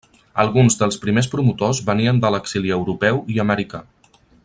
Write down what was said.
Alguns dels primers promotors venien de l’exili europeu i americà.